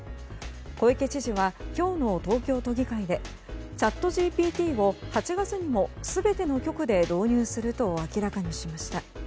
小池知事は今日の東京都議会でチャットＧＰＴを８月にも全ての局で導入すると明らかにしました。